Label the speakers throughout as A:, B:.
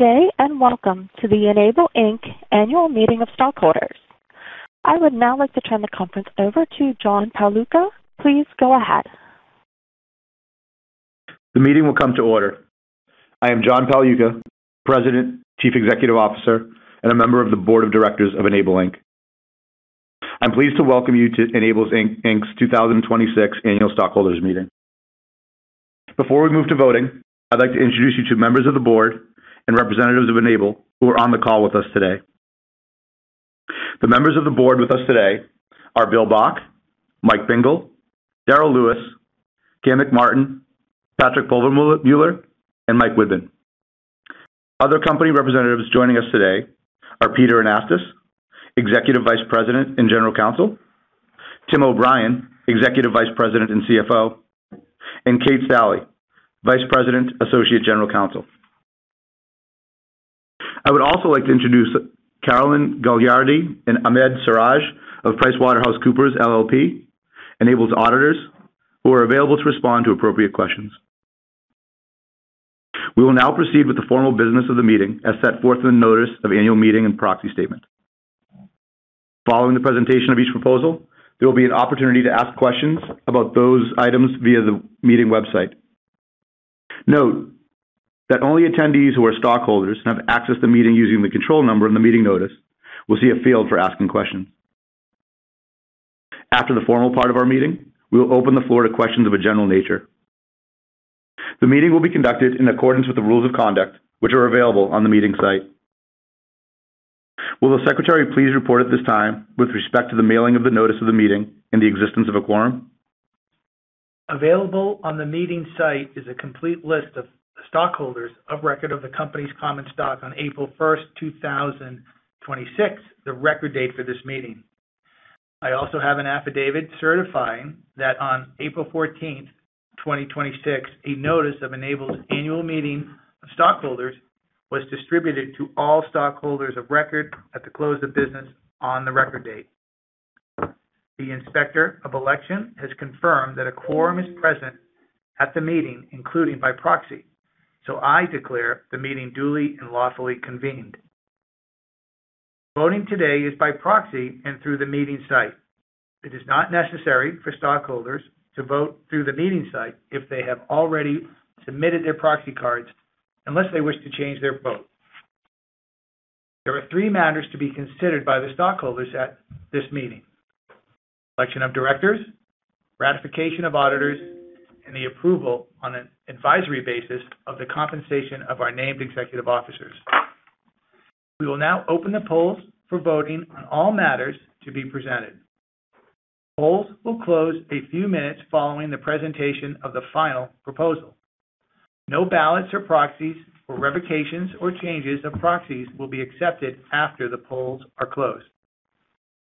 A: Good day, and welcome to the N-able, Inc. annual meeting of stockholders. I would now like to turn the conference over to John Pagliuca. Please go ahead.
B: The meeting will come to order. I am John Pagliuca, President, Chief Executive Officer, and a Member of the Board of Directors of N-able, Inc. I'm pleased to welcome you to N-able, Inc.'s 2026 annual stockholders meeting. Before we move to voting, I'd like to introduce you to members of the board and representatives of N-able who are on the call with us today. The members of the board with us today are Bill Bock, Mike Bingle, Darryl Lewis, Cam McMartin, Patrick Pulvermueller, and Mike Widmann. Other company representatives joining us today are Peter Anastos, Executive Vice President and General Counsel, Tim O'Brien, Executive Vice President and CFO, and Kate Salley, Vice President, Associate General Counsel. I would also like to introduce Carolyn Gagliardi and Ahmed Siraj of PricewaterhouseCoopers LLP, N-able's auditors, who are available to respond to appropriate questions. We will now proceed with the formal business of the meeting as set forth in the notice of annual meeting and proxy statement. Following the presentation of each proposal, there will be an opportunity to ask questions about those items via the meeting website. Note that only attendees who are stockholders and have accessed the meeting using the control number in the meeting notice will see a field for asking questions. After the formal part of our meeting, we will open the floor to questions of a general nature. The meeting will be conducted in accordance with the rules of conduct, which are available on the meeting site. Will the secretary please report at this time with respect to the mailing of the notice of the meeting and the existence of a quorum?
C: Available on the meeting site is a complete list of stockholders of record of the company's common stock on April 1st, 2026, the record date for this meeting. I also have an affidavit certifying that on April 14th, 2026, a notice of N-able's annual meeting of stockholders was distributed to all stockholders of record at the close of business on the record date. The inspector of election has confirmed that a quorum is present at the meeting, including by proxy. I declare the meeting duly and lawfully convened. Voting today is by proxy and through the meeting site. It is not necessary for stockholders to vote through the meeting site if they have already submitted their proxy cards unless they wish to change their vote. There are three matters to be considered by the stockholders at this meeting: election of directors, ratification of auditors, and the approval on an advisory basis of the compensation of our named executive officers. We will now open the polls for voting on all matters to be presented. Polls will close a few minutes following the presentation of the final proposal. No ballots or proxies or revocations or changes of proxies will be accepted after the polls are closed.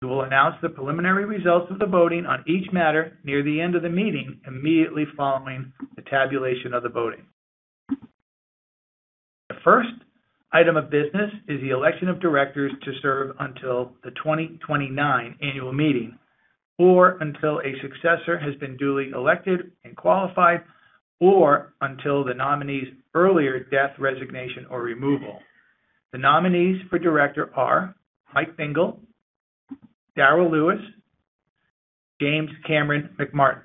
C: We will announce the preliminary results of the voting on each matter near the end of the meeting, immediately following the tabulation of the voting. The first item of business is the election of directors to serve until the 2029 Annual Meeting or until a successor has been duly elected and qualified or until the nominee's earlier death, resignation, or removal. The nominees for director are Mike Bingle, Darryl Lewis, Cam McMartin.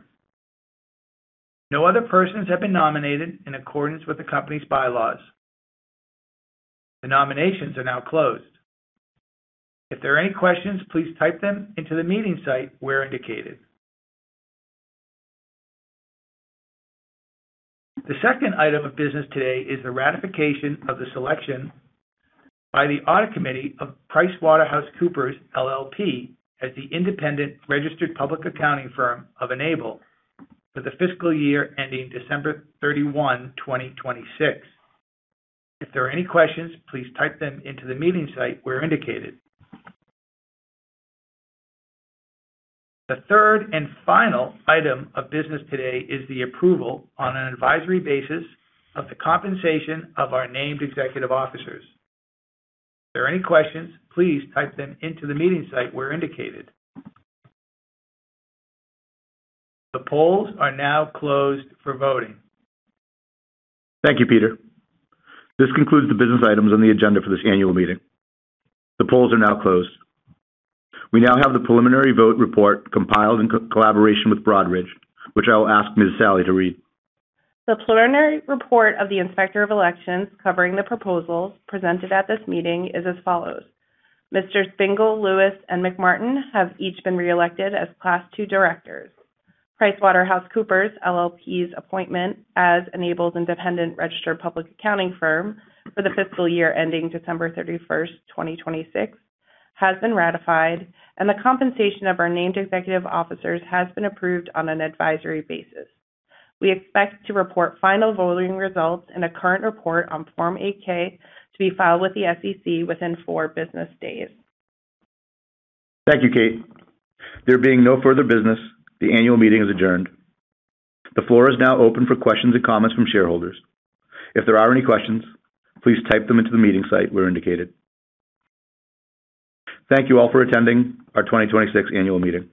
C: No other persons have been nominated in accordance with the company's bylaws. The nominations are now closed. If there are any questions, please type them into the meeting site where indicated. The second item of business today is the ratification of the selection by the audit committee of PricewaterhouseCoopers LLP, as the independent registered public accounting firm of N-able for the fiscal year ending December 31, 2026. If there are any questions, please type them into the meeting site where indicated. The third and final item of business today is the approval on an advisory basis of the compensation of our named executive officers. If there are any questions, please type them into the meeting site where indicated. The polls are now closed for voting.
B: Thank you, Peter. This concludes the business items on the agenda for this annual meeting. The polls are now closed. We now have the preliminary vote report compiled in collaboration with Broadridge, which I will ask Ms. Salley to read.
D: The preliminary report of the inspector of elections covering the proposals presented at this meeting is as follows. Mr. Bingle, Lewis, and McMartin have each been reelected as Class II directors. PricewaterhouseCoopers LLP's appointment as N-able's independent registered public accounting firm for the fiscal year ending December 31st, 2026, has been ratified, and the compensation of our named executive officers has been approved on an advisory basis. We expect to report final voting results in a current report on Form 8-K to be filed with the SEC within four business days.
B: Thank you, Kate. There being no further business, the annual meeting is adjourned. The floor is now open for questions and comments from shareholders. If there are any questions, please type them into the meeting site where indicated. Thank you all for attending our 2026 Annual Meeting.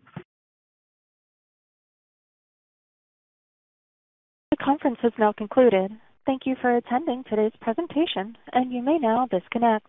A: The conference has now concluded. Thank you for attending today's presentation, and you may now disconnect.